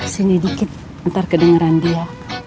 sini dikit ntar kedengeran dia